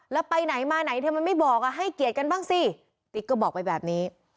แล้วไปไหนมาไหนเธอมันไม่บอกอ่ะให้เกียรติกันบ้างสิติ๊กก็บอกไปแบบนี้